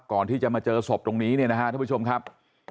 ก่อนที่จะมาเจอศพตรงนี้เนี่ยนะฮะท่านผู้ชมครับ